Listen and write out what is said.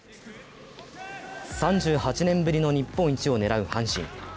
３８年ぶりの日本一を狙う阪神。